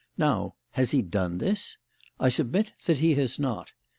Now, has he done this? I submit that he has not.